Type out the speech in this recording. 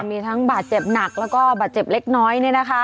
มีทั้งบาดเจ็บหนักแล้วก็บาดเจ็บเล็กน้อย